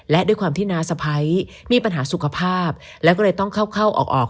และด้วยความที่น้าสะพ้ายมีปัญหาสุขภาพแล้วก็เลยต้องเข้าเข้าออก